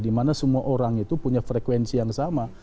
dimana semua orang itu punya frekuensi yang sama